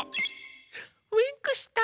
ウインクした。